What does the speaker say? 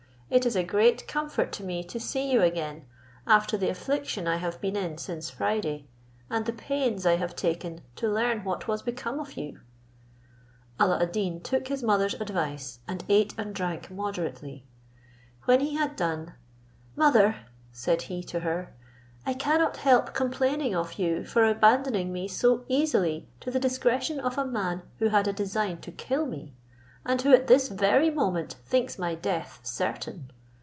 It is a great comfort to me to see you again, after the affliction I have been in since Friday, and the pains I have taken to learn what was become of you." Alla ad Deen took his mother's advice, and ate and drank moderately. When he had done, "Mother," said he to her, "I cannot help complaining of you, for abandoning me so easily to the discretion of a man who had a design to kill me. and who at this very moment thinks my death certain.